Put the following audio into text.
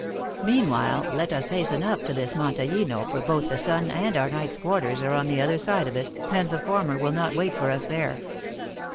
Meanwhile, let us hasten up this MontezJiino, for both the sun and our night s quarters are on the other side of it, and the former will not wait for us there."